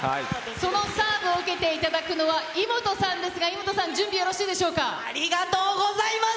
そのサーブを受けていただくのは、イモトさんですが、イモトさん、ありがとうございます。